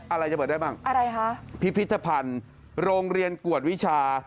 อะไรจะเปิดได้บ้างอะไรคะพิพิธภัณฑ์โรงเรียนกวดวิชา